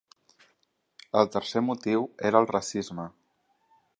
El tercer motiu era el racisme.